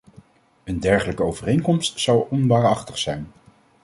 Een dergelijke overeenkomst zou onwaarachtig zijn.